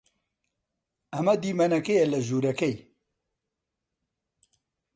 ئەمە دیمەنەکەیە لە ژوورەکەی.